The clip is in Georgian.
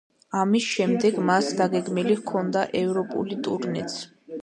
ამის შემდეგ მას დაგეგმილი ჰქონდა ევროპული ტურნეც.